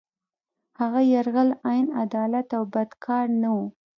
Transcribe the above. هغه یرغل عین عدالت او بد کار نه وو.